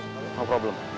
gak ada masalah